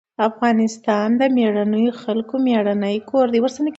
افغانستان د مېړنيو خلکو مېړنی کور دی.